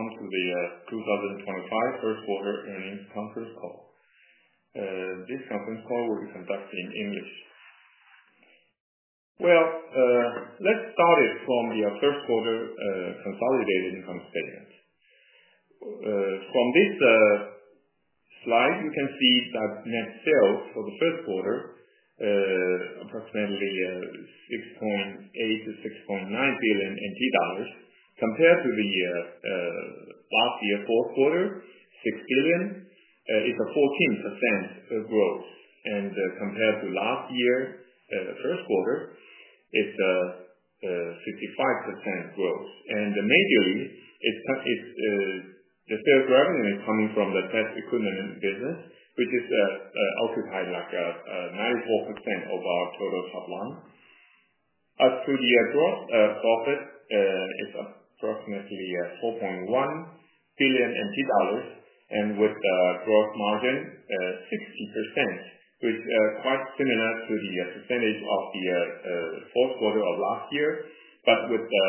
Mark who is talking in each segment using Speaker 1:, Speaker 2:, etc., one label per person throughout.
Speaker 1: Welcome to the 2025 First Quarter Earnings Conference Call. This conference call will be conducted in English. Let's start it from the first quarter consolidated income statement. From this slide, you can see that net sales for the first quarter, approximately 6.8 billion-6.9 billion NT dollars, compared to last year's fourth quarter, 6 billion, is a 14% growth. Compared to last year's first quarter, it's a 65% growth. Majorly, the sales revenue is coming from the test equipment business, which is occupying like 94% of our total top line. As to the gross profit, it's approximately 4.1 billion NT dollars, and with a gross margin of 60%, which is quite similar to the percentage of the fourth quarter of last year, but with a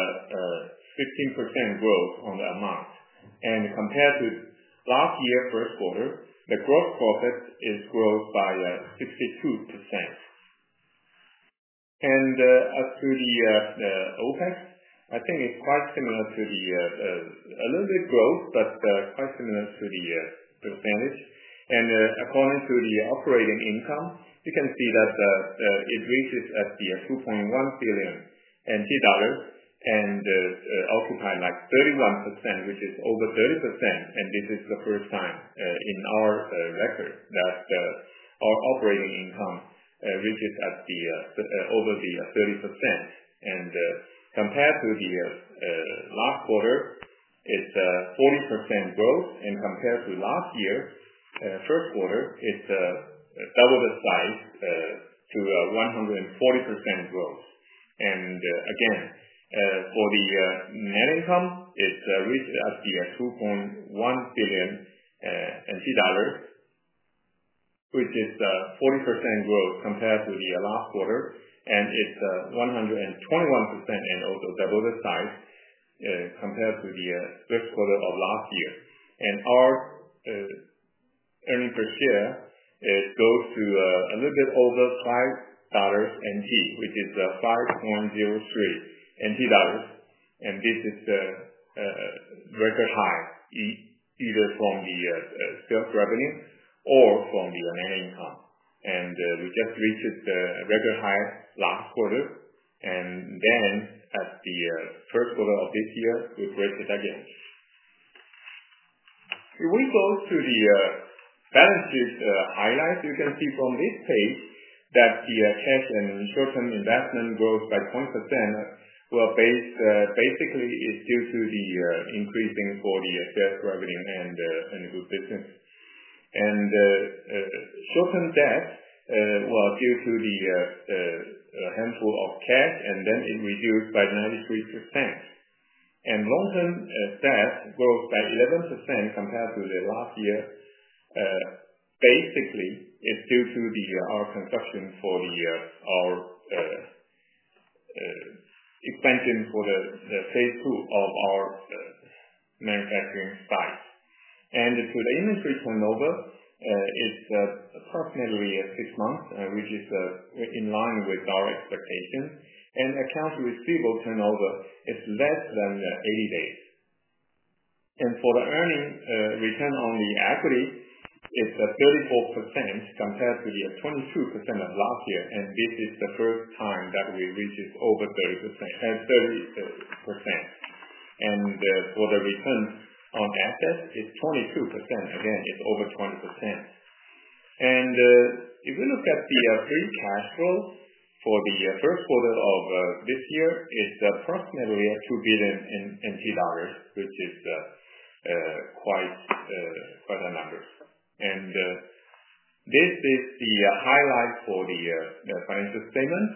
Speaker 1: 15% growth on the amount. Compared to last year's first quarter, the gross profit has grown by 62%. As to the OPEX, I think it's quite similar to a little bit growth, but quite similar to the percentage. According to the operating income, you can see that it reaches at the TWD 2.1 billion and occupies like 31%, which is over 30%. This is the first time in our record that our operating income reaches over 30%. Compared to the last quarter, it's a 40% growth. Compared to last year's first quarter, it's double the size to 140% growth. Again, for the net income, it reaches at the TWD 2.1 billion, which is a 40% growth compared to the last quarter. It's 121% and also double the size compared to the first quarter of last year. Our earnings per share goes to a little bit over 5 dollars, which is 5.03 dollars. This is a record high, either from the sales revenue or from the net income. We just reached the record high last quarter. At the first quarter of this year, we break it again. If we go to the balance sheet highlights, you can see from this page that the cash and short-term investment growth by 20%, basically, it's due to the increasing for the sales revenue and the business. Short-term debt was due to the handful of cash, and then it reduced by 93%. Long-term debt grows by 11% compared to the last year. Basically, it's due to our construction for our expansion for the phase two of our manufacturing site. To the inventory turnover, it's approximately six months, which is in line with our expectations. Accounts receivable turnover is less than 80 days. For the earnings return on the equity, it's 34% compared to the 22% of last year. This is the first time that we reached over 30%. For the return on assets, it's 22%. Again, it's over 20%. If we look at the free cash flow for the first quarter of this year, it's approximately TWD 2 billion, which is quite a number. This is the highlight for the financial statement.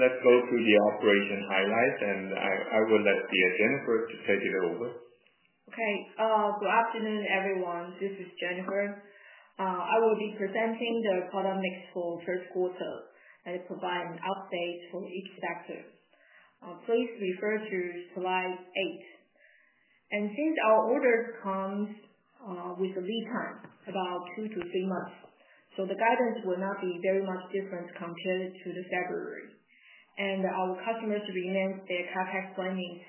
Speaker 1: Let's go to the operation highlights. I will let Jennifer take it over.
Speaker 2: Okay. Good afternoon, everyone. This is Jennifer. I will be presenting the product mix for first quarter and provide an update for each sector. Please refer to slide 8. Since our orders come with a lead time, about two to three months, the guidance will not be very much different compared to February. Our customers remain their CapEx planning.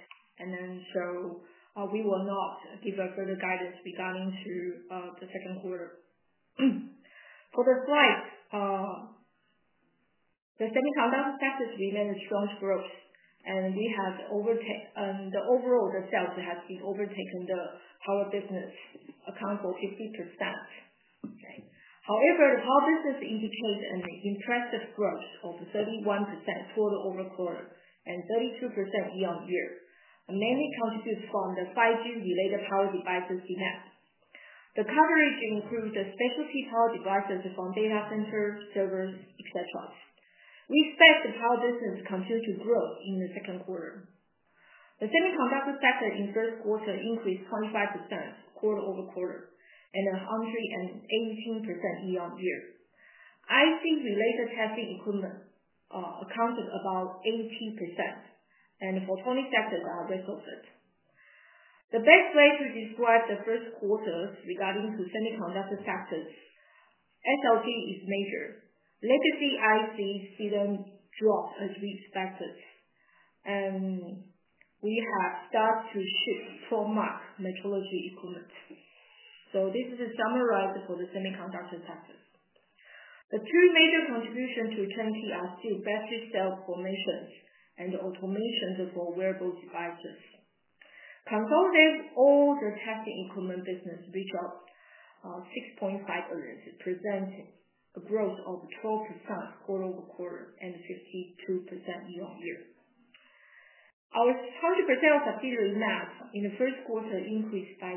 Speaker 2: We will not give further guidance regarding the second quarter. For the slide, the semiconductor sector remains a strong growth. The overall sales have been overtaking the power business, account for 50%. However, the power business indicates an impressive growth of 31% quarter over quarter and 32% year on year. Mainly contributes from the 5G related power devices demand. The coverage includes specialty power devices from data centers, servers, etc. We expect the power business continues to grow in the second quarter. The semiconductor sector in first quarter increased 25% quarter over quarter and 118% year on year. IC related testing equipment accounted about 80%. For 20 sectors, they are resolved. The best way to describe the first quarter regarding semiconductor sectors, SLT is major. Legacy ICs didn't drop as we expected. We have started to ship probe mark metrology equipment. This is the summary for the semiconductor sector. The two major contributions to 20 are still battery cell formations and automations for wearable devices. Consolidate all the testing equipment business reached NT$6.5 million earnings, presenting a growth of 12% quarter over quarter and 52% year on year. Our 100% subsidiary MaS in the first quarter increased by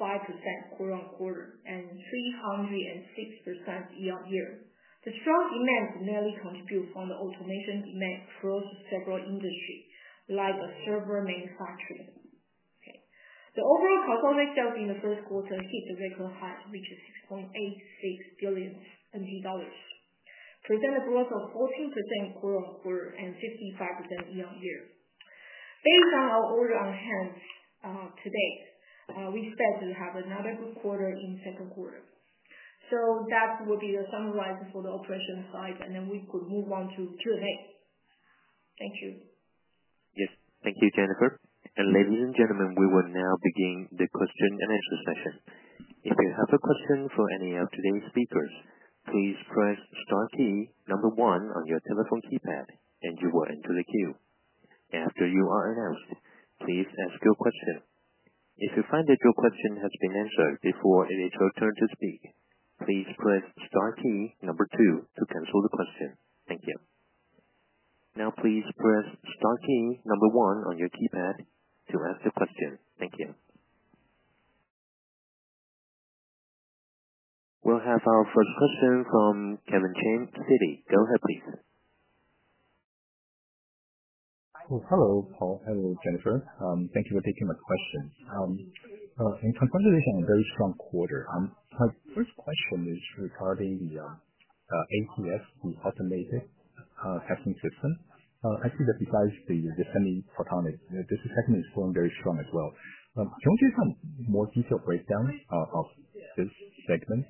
Speaker 2: 65% quarter on quarter and 306% year on year. The strong demand mainly contributes from the automation demand across several industries, like server manufacturing. The overall consolidated sales in the first quarter hit the record high, which is TWD 6.86 billion, presenting a growth of 14% quarter on quarter and 55% year on year. Based on our order on hand today, we expect to have another good quarter in second quarter. That would be the summary for the operation slide. We could move on to Q&A. Thank you.
Speaker 3: Yes. Thank you, Jennifer. Ladies and gentlemen, we will now begin the question and answer session. If you have a question for any of today's speakers, please press star key number one on your telephone keypad, and you are into the queue. After you are announced, please ask your question. If you find that your question has been answered before it is your turn to speak, please press star key number two to cancel the question. Thank you. Now, please press star key number one on your keypad to ask the question. Thank you. We'll have our first question from Kevin Chen, Citi. Go ahead, please.
Speaker 4: Hello, Paul. Hello, Jennifer. Thank you for taking my question. In consolidation, a very strong quarter. My first question is regarding the ATS, the automated testing system. I see that besides the, this segment is going very strong as well. Can we get some more detailed breakdown of this segment?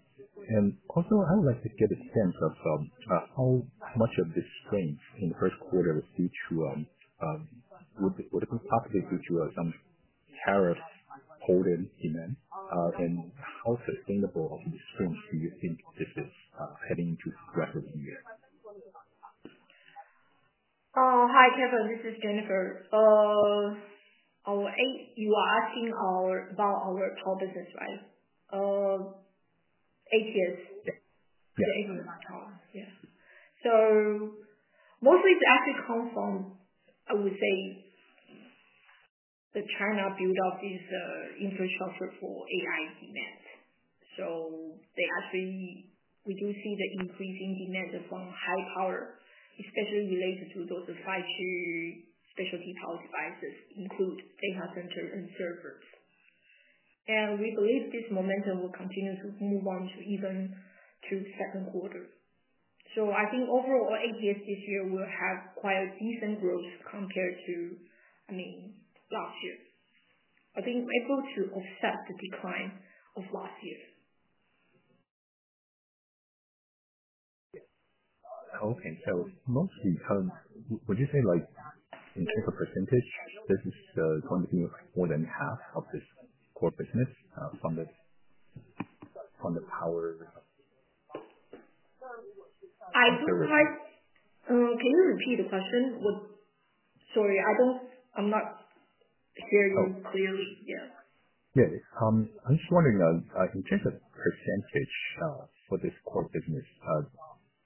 Speaker 4: Also, I would like to get a sense of how much of this strength in the first quarter would have been possibly due to some tariffs holding demand, and how sustainable of the strength do you think this is heading into the rest of the year?
Speaker 2: Hi, Kevin. This is Jennifer. You are asking about our power business, right? ATS? The ATS power. Yeah. Mostly, it actually comes from, I would say, the China build-up of this infrastructure for AI demand. We do see the increasing demand from high power, especially related to those 5G specialty power devices, including data centers and servers. We believe this momentum will continue to move on to even the second quarter. I think overall, ATS this year will have quite a decent growth compared to, I mean, last year. I think we're able to offset the decline of last year.
Speaker 4: Okay. Mostly, would you say in terms of percentage, this is going to be more than half of this core business from the power?
Speaker 2: I do like. Can you repeat the question? Sorry, I'm not hearing you clearly. Yeah.
Speaker 4: Yeah. I'm just wondering, in terms of percentage for this core business,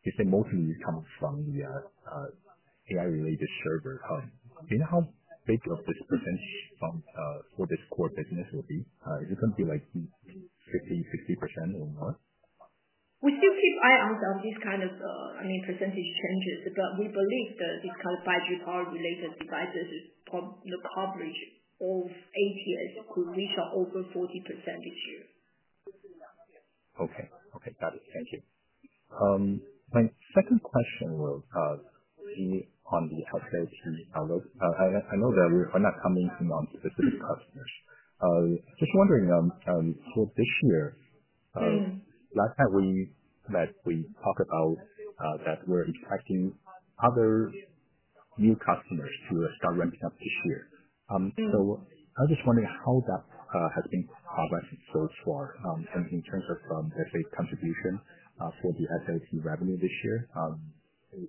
Speaker 4: you say mostly it comes from the AI-related server. Do you know how big of this percentage for this core business will be? Is it going to be like 50%, 60% or more?
Speaker 2: We still keep eye out on these kind of, I mean, percentage changes, but we believe that these kind of 5G power-related devices is the coverage of ATS could reach over 40% this year.
Speaker 4: Okay. Okay. Got it. Thank you. My second question will be on the outside piece. I know that we are not commenting on specific customers. Just wondering, for this year, last time we met, we talked about that we're expecting other new customers to start ramping up this year. I was just wondering how that has been progressing so far. In terms of, let's say, contribution for the SLT revenue this year,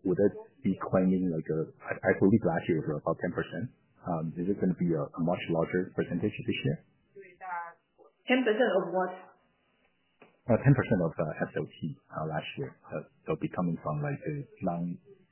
Speaker 4: would it be climbing? I believe last year it was about 10%. Is it going to be a much larger percentage this year?
Speaker 2: 10% of what?
Speaker 4: 10% of SLT last year. It will be coming from like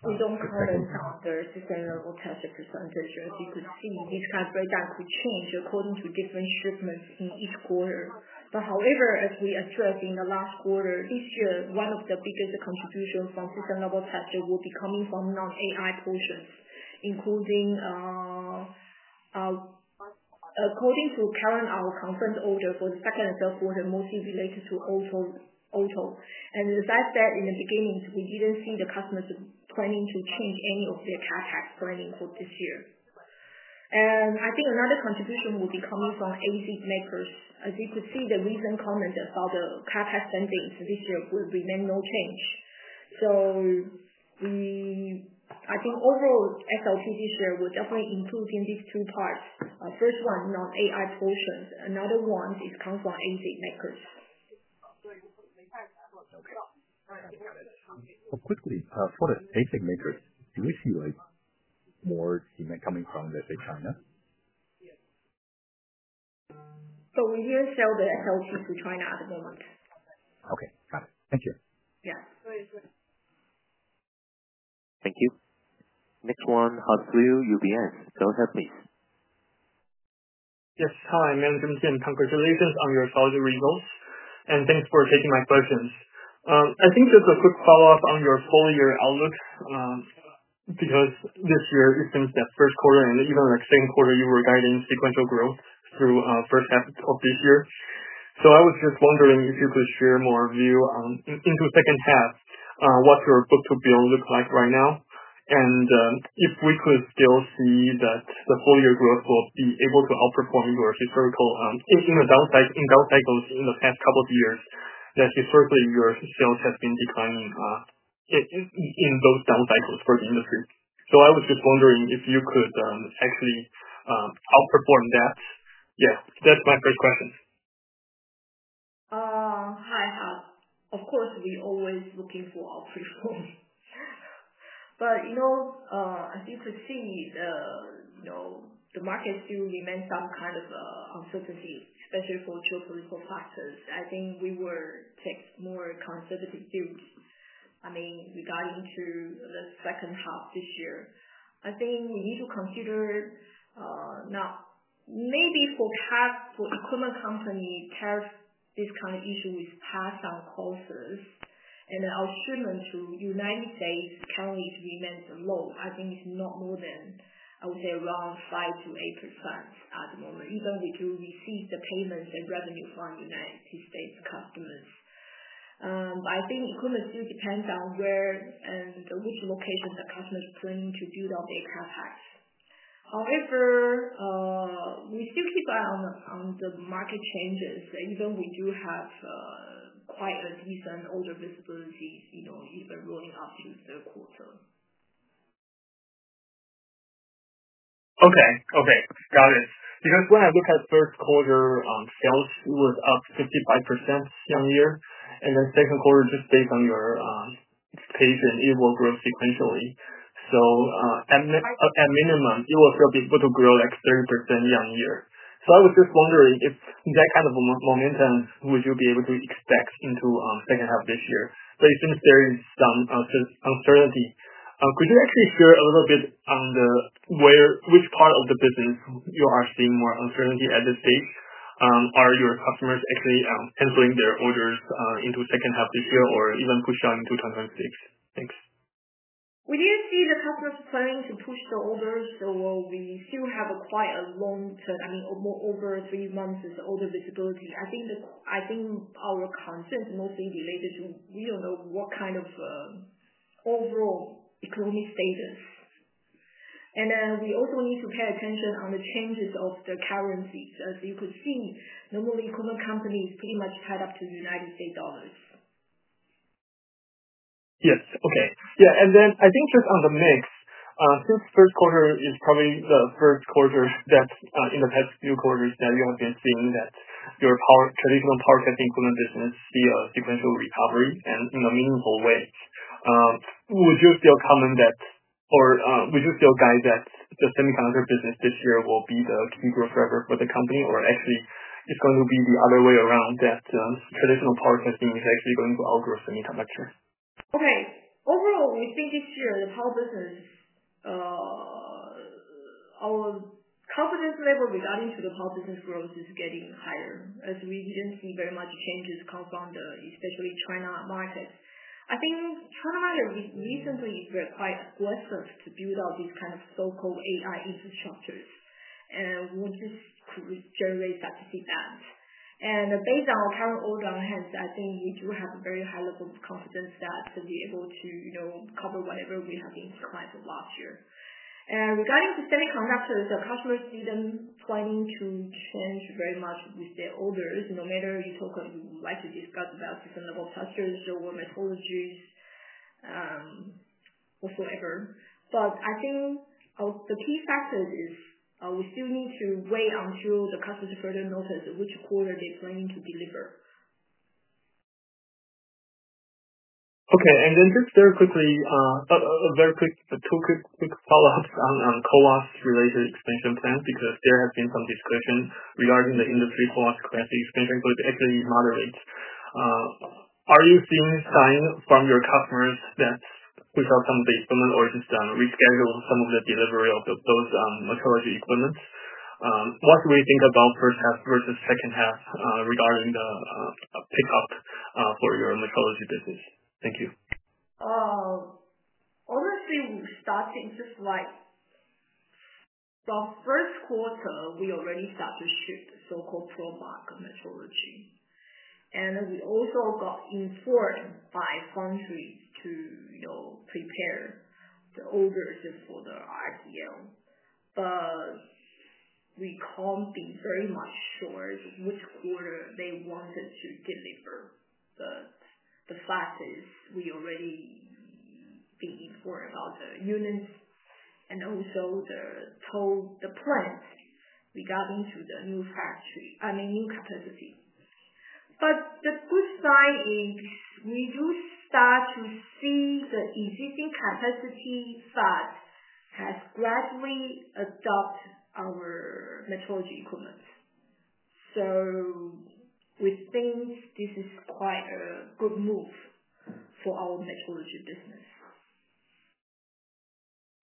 Speaker 4: the non-.
Speaker 2: We do not currently count the system-level test percentage. As you could see, this kind of breakdown could change according to different shipments in each quarter. However, as we addressed in the last quarter, this year, one of the biggest contributions from system-level tests will be coming from non-AI portions, including according to our current confirmed order for the second and third quarter, mostly related to auto. As I said in the beginning, we did not see the customers planning to change any of their CapEx planning for this year. I think another contribution will be coming from IC makers. As you could see, the recent comment about the CapEx spendings this year will remain no change. I think overall, SLT this year will definitely include these two parts. First one, non-AI portions. Another one is coming from IC makers.
Speaker 4: Quickly, for the ASIC makers, do we see more demand coming from, let's say, China?
Speaker 2: We didn't sell the SLT to China at the moment.
Speaker 4: Okay. Got it. Thank you.
Speaker 2: Yeah.
Speaker 3: Thank you. Next one, Hans Liu, UBS. Go ahead, please.
Speaker 5: Yes. Hi, my name is. Congratulations on your solid results. Thanks for taking my questions. I think just a quick follow-up on your full year outlook because this year is since the first quarter, and even the second quarter, you were guiding sequential growth through the first half of this year. I was just wondering if you could share more view into the second half, what your book-to-build looks like right now, and if we could still see that the full year growth will be able to outperform your historical in the down cycles in the past couple of years that historically your sales have been declining in those down cycles for the industry. I was just wondering if you could actually outperform that. Yeah. That's my first question.
Speaker 2: Hi, Han. Of course, we're always looking for outperform. As you could see, the market still remains some kind of uncertainty, especially for geopolitical factors. I think we will take more conservative views, I mean, regarding to the second half this year. I think we need to consider maybe for equipment companies, tariffs, this kind of issue with pass-on costs and our shipment to the United States currently remains low. I think it's not more than, I would say, around 5-8% at the moment, even with receiving the payments and revenue from United States customers. I think equipment still depends on where and which location the customers are planning to build up their CapEx. However, we still keep an eye on the market changes, even we do have quite a decent order visibility even rolling up to the third quarter.
Speaker 5: Okay. Okay. Got it. Because when I look at first quarter, sales was up 55% year on year. Then second quarter, just based on your expectation, it will grow sequentially. At minimum, it will still be able to grow like 30% year on year. I was just wondering if that kind of momentum would you be able to expect into the second half of this year. It seems there is some uncertainty. Could you actually share a little bit on which part of the business you are seeing more uncertainty at this stage? Are your customers actually handling their orders into the second half this year or even pushing on into 2026? Thanks.
Speaker 2: We didn't see the customers planning to push the orders, so we still have quite a long term, I mean, more over three months of order visibility. I think our concern is mostly related to we don't know what kind of overall economic status. We also need to pay attention on the changes of the currencies. As you could see, normally equipment companies are pretty much tied up to US dollars.
Speaker 5: Yes. Okay. Yeah. I think just on the mix, since first quarter is probably the first quarter that in the past few quarters that you have been seeing that your traditional power testing equipment business see a sequential recovery in a meaningful way, would you still comment that or would you still guide that the semiconductor business this year will be the key growth driver for the company? Or actually, it's going to be the other way around that traditional power testing is actually going to outgrow semiconductor?
Speaker 2: Okay. Overall, we think this year the power business, our confidence level regarding the power business growth is getting higher as we did not see very much changes come from the especially China market. I think China market recently is quite aggressive to build out these kind of so-called AI infrastructures, and we just could generate that demand. Based on our current order on hand, I think we do have a very high level of confidence that we are able to cover whatever we have been declined for last year. Regarding the semiconductors, our customers did not plan to change very much with their orders, no matter you talk or you would like to discuss about system-level tests or methodologies or so ever. I think the key factor is we still need to wait until the customers further notice which quarter they are planning to deliver.
Speaker 5: Okay. Just very quickly, two quick follow-ups on CoWoS-related expansion plans because there has been some discussion regarding the industry Co-WoS capacity expansion, so it's actually moderate. Are you seeing signs from your customers that we saw some of the equipment orders reschedule, some of the delivery of those metrology equipment? What do we think about first half versus second half regarding the pickup for your metrology business? Thank you.
Speaker 2: Honestly, we started just like from first quarter, we already started to ship so-called probe mark metrology. And we also got informed by foundry to prepare the orders for the RDL. But we can't be very much sure which quarter they wanted to deliver. The fact is we already been informed about the units and also the plans regarding to the new factory, I mean, new capacity. The good sign is we do start to see the existing capacity that has gradually adopted our metrology equipment. We think this is quite a good move for our metrology business.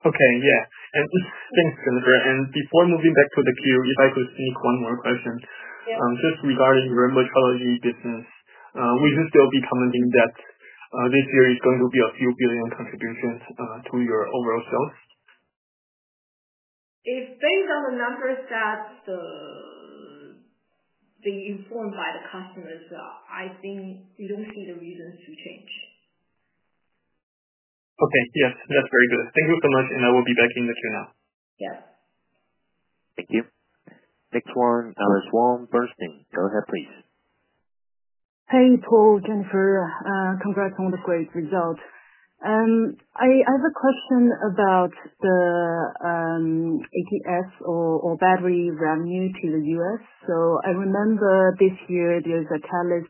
Speaker 5: Okay. Yeah. Thanks, Jennifer. Before moving back to the queue, if I could sneak one more question, just regarding your metrology business, would you still be commenting that this year is going to be a few billion contributions to your overall sales?
Speaker 2: If based on the numbers that they informed by the customers, I think we don't see the reasons to change.
Speaker 5: Okay. Yes. That's very good. Thank you so much. I will be back in the queue now.
Speaker 2: Yep.
Speaker 3: Thank you. Next one. Go ahead, please. Hey, Paul, Jennifer. Congrats on the great result. I have a question about the ATS or battery revenue to the U.S. I remember this year there's a tariff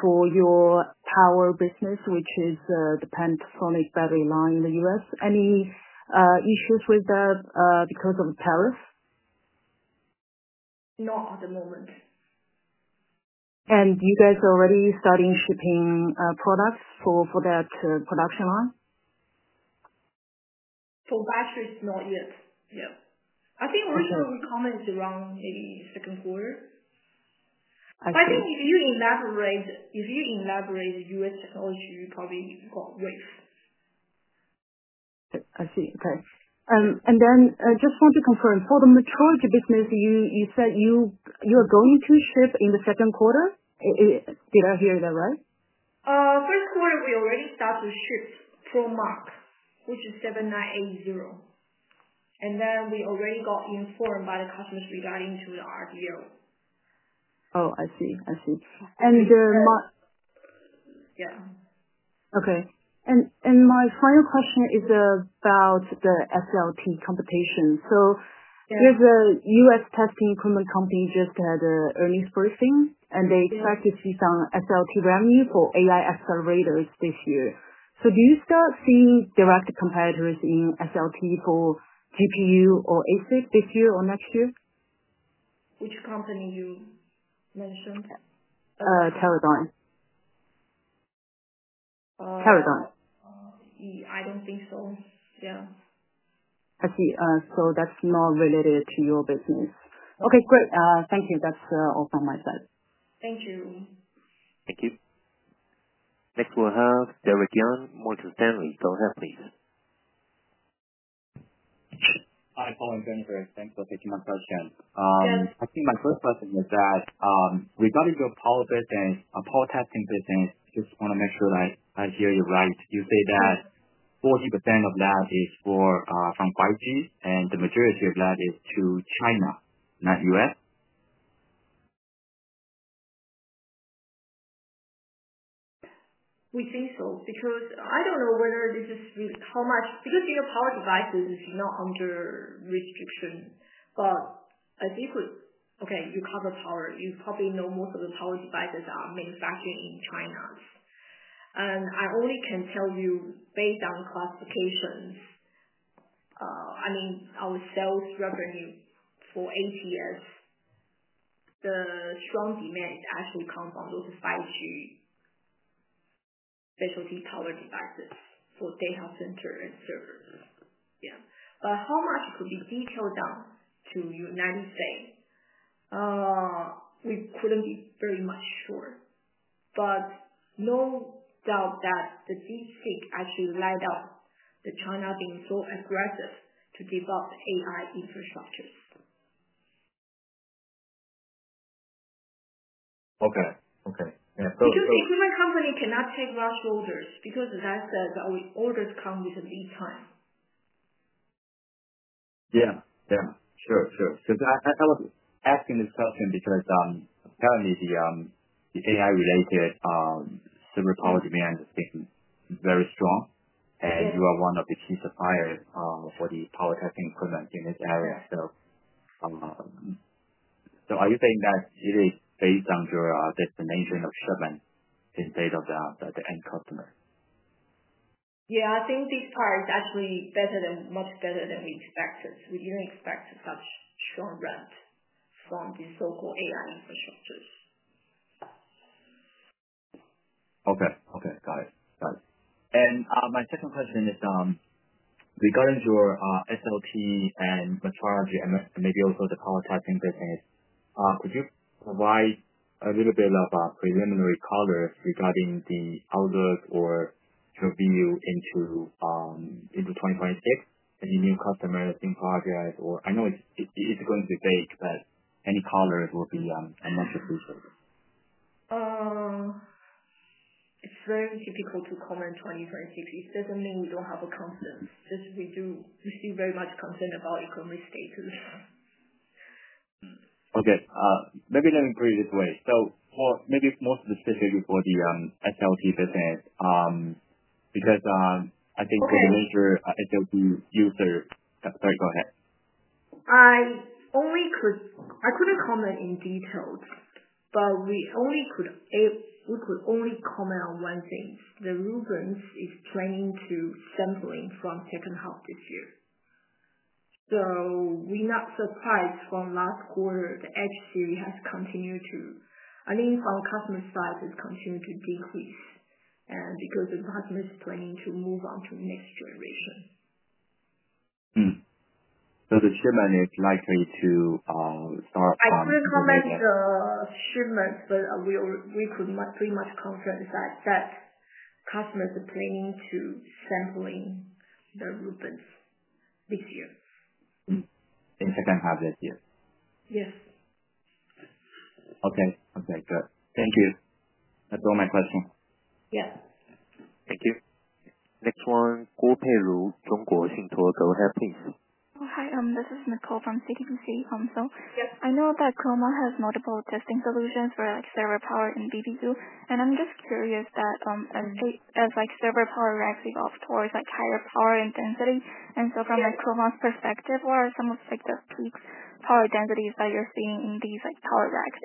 Speaker 3: for your power business, which is the Panasonic battery line in the U.S. Any issues with that because of the tariff?
Speaker 2: Not at the moment. You guys are already starting shipping products for that production line? For batteries, not yet. Yeah. I think originally we commented around maybe second quarter. I think if you elaborate, if you elaborate US technology, you probably got wave. I see. Okay. I just want to confirm, for the metrology business, you said you are going to ship in the second quarter. Did I hear that right? First quarter, we already started to ship probe mark, which is 7980. And then we already got informed by the customers regarding to the RDL. Oh, I see. I see. Yeah. Okay. My final question is about the SLT competition. There is a US testing equipment company that just had an earnings briefing, and they expect to see some SLT revenue for AI accelerators this year. Do you start seeing direct competitors in SLT for GPU or ASIC this year or next year? Which company you mentioned?
Speaker 5: Teledyne. Teledyne.
Speaker 2: I don't think so. Yeah. I see. That is not related to your business. Okay. Great. Thank you. That is all from my side. Thank you.
Speaker 3: Thank you. Next we'll have Derrick Yang, Morgan Stanley. Go ahead, please.
Speaker 6: Hi, Paul and Jennifer. Thanks for taking my question. I think my first question is that regarding your power testing business, I just want to make sure that I hear you right. You say that 40% of that is from 5G, and the majority of that is to China, not U.S.?
Speaker 2: We think so because I don't know whether this is how much because power devices is not under restriction. I think, okay, you cover power. You probably know most of the power devices are manufactured in China. I only can tell you based on classifications, I mean, our sales revenue for ATS, the strong demand actually comes from those 5G specialty power devices for data center and servers. Yeah. How much could be detailed down to United States, we couldn't be very much sure. No doubt that the DeepSeek actually light up the China being so aggressive to develop AI infrastructures.
Speaker 6: Okay. Okay. Yeah. So.
Speaker 2: Because equipment company cannot take large orders because as I said, orders come with a lead time.
Speaker 6: Yeah. Yeah. Sure. Sure. Because I was asking this question because apparently the AI-related server power demand has been very strong, and you are one of the key suppliers for the power testing equipment in this area. Are you saying that it is based on your destination of shipment instead of the end customer?
Speaker 2: Yeah. I think this part is actually much better than we expected. We didn't expect such strong rent from these so-called AI infrastructures.
Speaker 6: Okay. Got it. My second question is regarding your SLT and metrology and maybe also the power testing business, could you provide a little bit of preliminary colors regarding the outlook or your view into 2026? Any new customers in projects? I know it's going to be vague, but any colors will be much appreciated.
Speaker 2: It's very difficult to comment 2026. It doesn't mean we don't have a confidence. Just we still very much concerned about economic status.
Speaker 6: Okay. Maybe let me put it this way. Maybe more specifically for the SLT business because I think for the major SLT user, sorry, go ahead.
Speaker 2: I couldn't comment in detail, but we could only comment on one thing. The Rubens is planning to sample in from second half this year. We are not surprised from last quarter, the H series has continued to, I think from customer side, has continued to decrease because the customer is planning to move on to next generation.
Speaker 6: The shipment is likely to start.
Speaker 2: I couldn't comment the shipment, but we could pretty much confirm that customers are planning to sample in the Rubens this year.
Speaker 6: In second half this year?
Speaker 2: Yes.
Speaker 6: Okay. Okay. Good. Thank you. That's all my questions.
Speaker 2: Yeah.
Speaker 6: Thank you.
Speaker 3: Next one, Nicole. Go ahead, please. Hi. This is Nicole from CTBC. I know that Chroma has multiple testing solutions for server power in BBU. I'm just curious that as server power racks evolve towards higher power and density, from Chroma's perspective, what are some of the peak power densities that you're seeing in these power racks?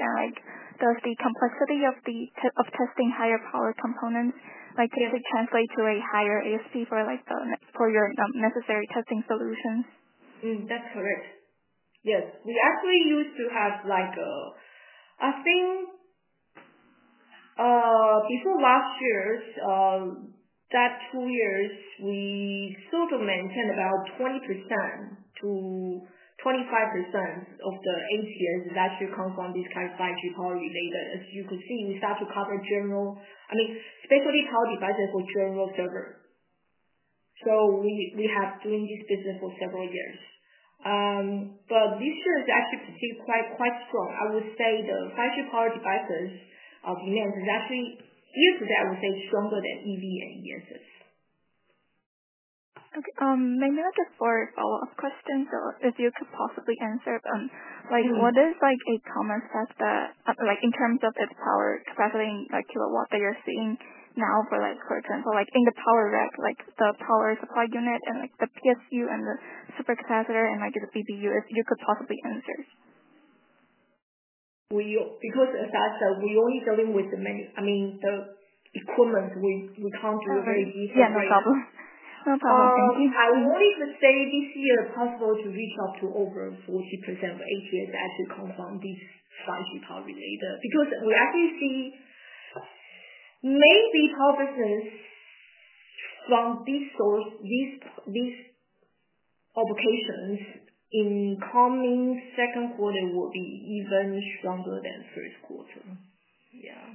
Speaker 3: Does the complexity of testing higher power components translate to a higher ASP for your necessary testing solutions?
Speaker 2: That's correct. Yes. We actually used to have, I think before last year, that two years, we sort of maintained about 20%-25% of the ATS that should come from this kind of 5G power related. As you could see, we start to cover general, I mean, specialty power devices for general server. So we have been doing this business for several years. This year is actually quite strong. I would say the 5G power devices demand is actually year to date, I would say, stronger than EV and ESS. Okay. Maybe just for a follow-up question, if you could possibly answer, what is a common factor in terms of its power capacity in kilowatt that you're seeing now for, for example, in the power rack, the power supply unit and the PSU and the supercapacitor and the BBU, if you could possibly answer? Because as I said, we're only dealing with the many, I mean, the equipment, we can't do a very detailed analysis. Yeah. No problem. No problem. Thank you. I wanted to say this year possible to reach up to over 40% of ATS actually come from these 5G power related because we actually see maybe power business from these applications in coming second quarter will be even stronger than first quarter. Yeah.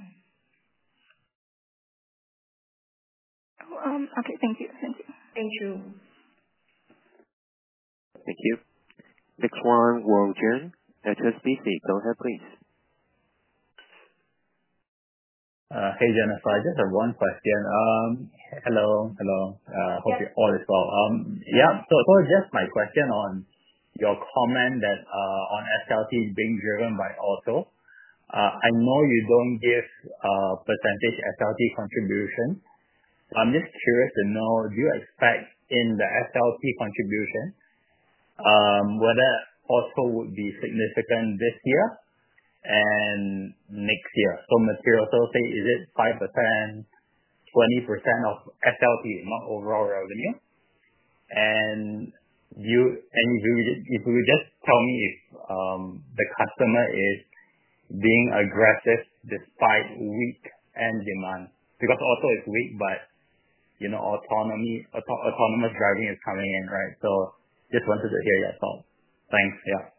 Speaker 2: Okay. Thank you. Thank you. Thank you.
Speaker 3: Thank you. Next one, HSBC. Go ahead, please. Hey, Jennifer. I just have one question. Hello. Hello. Hope you're all well. Yeah. Just my question on your comment that on SLT being driven by auto, I know you don't give percentage SLT contribution. I'm just curious to know, do you expect in the SLT contribution whether auto would be significant this year and next year? Material sales, say, is it 5%, 20% of SLT, not overall revenue? If you would just tell me if the customer is being aggressive despite weak end demand because auto is weak, but autonomous driving is coming in, right? Just wanted to hear your thoughts. Thanks. Yeah.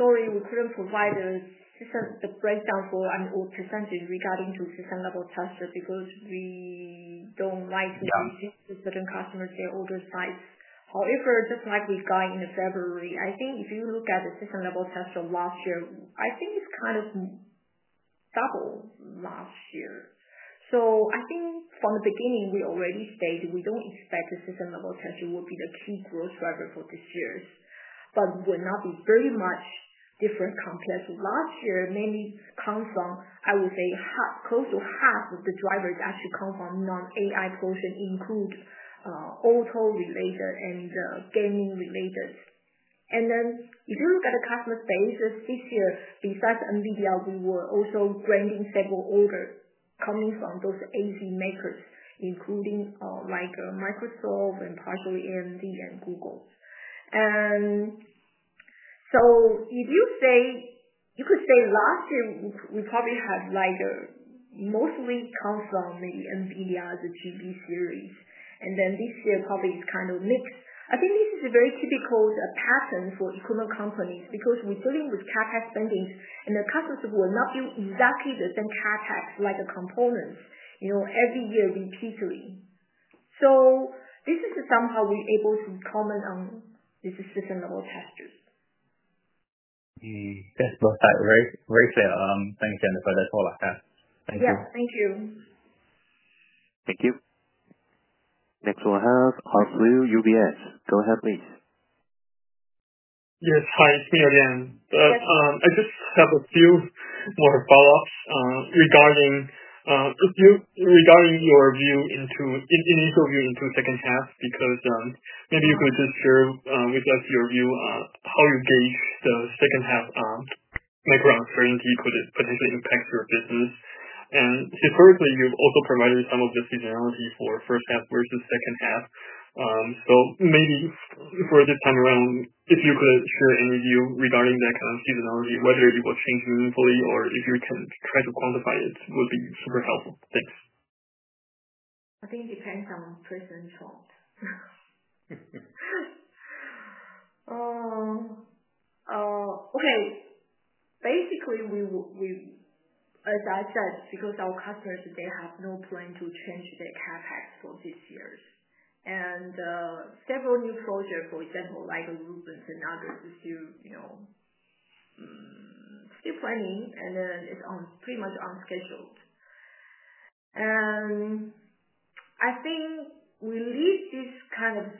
Speaker 2: Sorry, we couldn't provide the system breakdown for percentage regarding to system-level testing because we don't like to give certain customers their order size. However, just like we got in February, I think if you look at the system-level test last year, I think it's kind of double last year. I think from the beginning, we already stated we don't expect the system-level testing would be the key growth driver for this year. It will not be very much different compared to last year, mainly comes from, I would say, close to half of the drivers actually come from non-AI portion include auto related and gaming related. If you look at the customer base, this year, besides Nvidia, we were also granting several orders coming from those ASIC makers, including Microsoft and partially AMD and Google. If you could say last year, we probably had mostly comes from maybe Nvidia's GB series. This year probably is kind of mixed. I think this is a very typical pattern for equipment companies because we're dealing with CapEx spending, and the customers will not do exactly the same CapEx like components every year repeatedly. This is somehow we're able to comment on this system-level testing. Just for a sec, Rachel, thanks, Jennifer. That's all I have. Thank you. Yeah. Thank you.
Speaker 3: Thank you. Next one has Hans Liu, UBS. Go ahead, please.
Speaker 5: Yes. Hi. It's me again. I just have a few more follow-ups regarding your initial view into second half because maybe you could just share with us your view on how you gauge the second half micro uncertainty could potentially impact your business. Historically, you've also provided some of the seasonality for first half versus second half. For this time around, if you could share any view regarding that kind of seasonality, whether it will change meaningfully or if you can try to quantify it would be super helpful. Thanks.
Speaker 2: I think it depends on personal choice. Okay. Basically, as I said, because our customers, they have no plan to change their CapEx for this year. And several new projects, for example, like Rubens and others, is still planning, and then it's pretty much unscheduled. I think we leave this kind of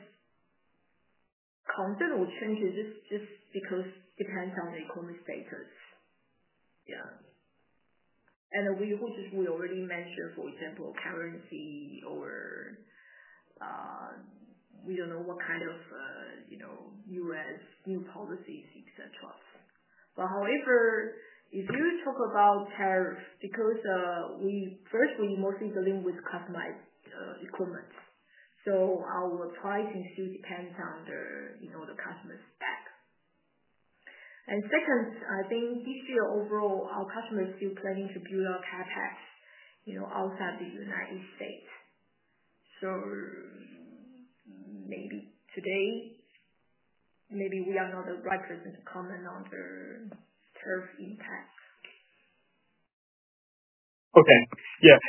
Speaker 2: constant or change it just because it depends on the economic status. Yeah. Which is we already mentioned, for example, currency or we do not know what kind of U.S. new policies, etc. However, if you talk about tariffs, because first, we mostly dealing with customized equipment. Our pricing still depends on the customer's back. Second, I think this year overall, our customers still planning to build our CapEx outside the U.S. Maybe today, maybe we are not the right person to comment on the tariff impact.
Speaker 5: Okay. Yeah.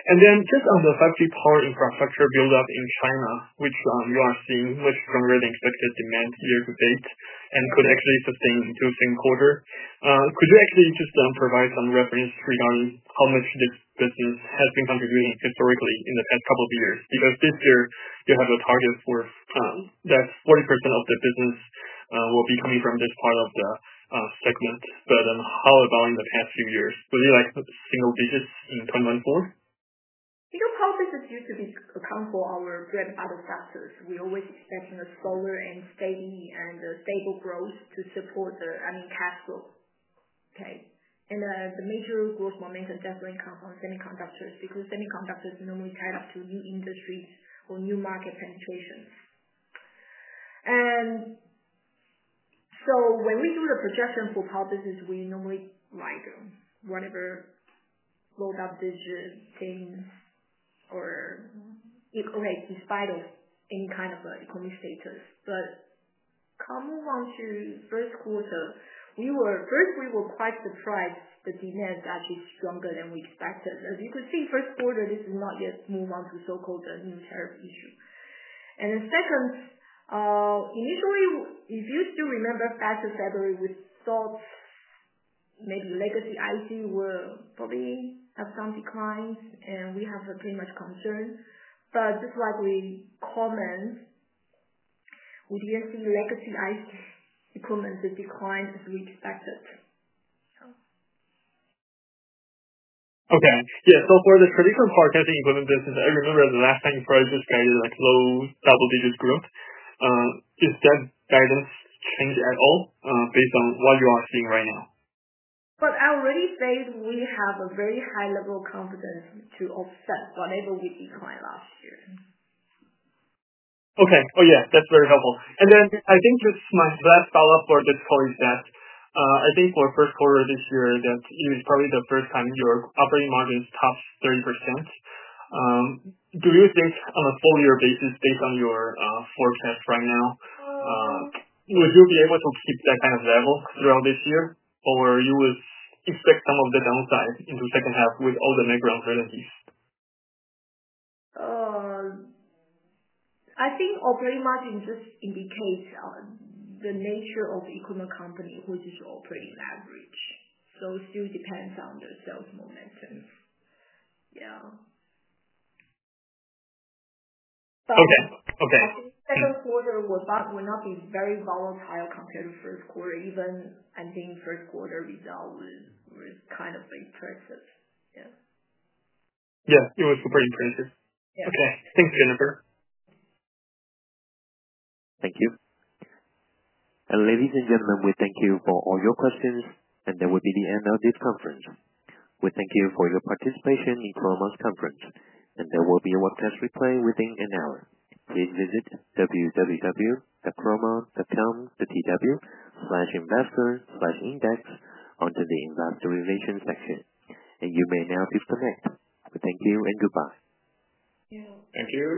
Speaker 5: Just on the 5G power infrastructure buildup in China, which you are seeing much stronger than expected demand year to date and could actually sustain into second quarter, could you actually just provide some reference regarding how much this business has been contributing historically in the past couple of years? Because this year, you have a target for that 40% of the business will be coming from this part of the segment. How about in the past few years? Would you like single digits in 2024?
Speaker 2: Single power business used to come from our bread and butter factors. We're always expecting a solar and steady and stable growth to support the, I mean, cash flow. Okay. The major growth momentum definitely comes from semiconductors because semiconductors normally tied up to new industries or new market penetrations. When we do the projection for power business, we normally like whatever rolled up digit things or okay, in spite of any kind of economic status. Come on to first quarter, first, we were quite surprised the demand is actually stronger than we expected. As you could see, first quarter, this is not yet move on to so-called new tariff issue. Second, initially, if you still remember back to February, we thought maybe legacy IC will probably have some declines, and we have pretty much concern. Just like we comment, we didn't see legacy IC equipment declines as we expected.
Speaker 5: Okay. Yeah. For the traditional power testing equipment business, I remember the last time you probably just guided low double digits growth. Is that guidance change at all based on what you are seeing right now?
Speaker 2: I already said we have a very high level of confidence to offset whatever we decline last year.
Speaker 5: Okay. Oh yeah. That's very helpful. I think just my last follow-up for this call is that I think for first quarter this year, that it is probably the first time your operating margins topped 30%. Do you think on a full year basis, based on your forecast right now, would you be able to keep that kind of level throughout this year, or you would expect some of the downside into second half with all the micro uncertainties?
Speaker 2: I think operating margin just indicates the nature of the equipment company which is operating average. It still depends on the sales momentum. Yeah.
Speaker 5: Okay. Okay.
Speaker 2: I think second quarter will not be very volatile compared to first quarter. Even I think first quarter result was kind of impressive. Yeah.
Speaker 5: Yeah. It was pretty impressive.
Speaker 2: Yeah.
Speaker 5: Okay. Thanks, Jennifer.
Speaker 3: Thank you. Ladies and gentlemen, we thank you for all your questions, and that will be the end of this conference. We thank you for your participation in Chroma's conference, and there will be a webcast replay within an hour. Please visit www.chroma.com.tw/investor/index onto the investor relation section. You may now disconnect. Thank you and goodbye.
Speaker 5: Thank you.